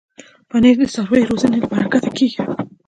پنېر د څارویو روزنې له برکته کېږي.